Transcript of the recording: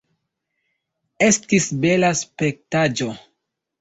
Estis bela spektaĵo.